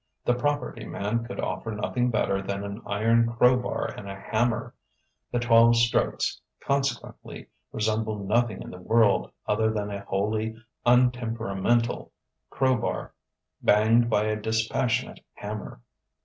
The property man could offer nothing better than an iron crowbar and a hammer; the twelve strokes, consequently, resembled nothing in the world other than a wholly untemperamental crowbar banged by a dispassionate hammer.